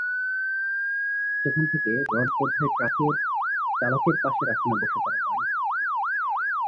সেখান থেকে রডবোঝাই ট্রাকের চালকের পাশের আসনে বসে তাঁরা বাড়ি ফিরছিলেন।